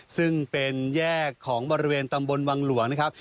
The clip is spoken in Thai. ซึ่งเป็นแยกของบริเวณตำบลวังหลวงนะครับ